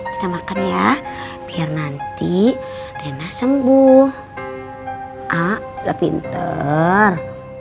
kita makan ya biar nanti nenek sembuh gak pinter